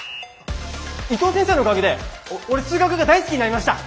伊藤先生のおかげで俺数学が大好きになりました！